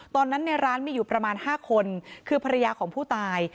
ตอนนั้นในร้านมีอยู่ประมาณ๕คนคือภรรยาของผู้ตาย